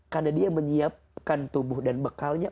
karena dia menyiapkan tubuh dan bekalnya